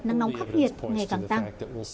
trái đất nóng khắc nghiệt ngày càng tăng